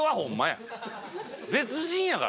別人やから。